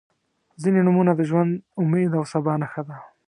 • ځینې نومونه د ژوند، امید او سبا نښه ده.